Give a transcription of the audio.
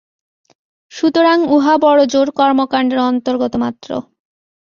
সুতরাং উহা বড়জোর কর্মকাণ্ডের অন্তর্গত মাত্র।